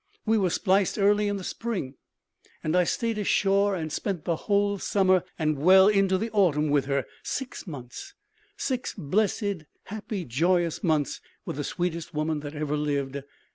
"We were spliced early in the spring; and I stayed ashore and spent the whole summer and well into the autumn with her; six months six blessed, happy, joyous months with the sweetest woman that ever lived.